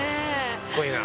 かっこいいな。